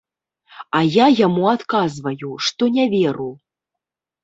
А я яму адказваю, што не веру.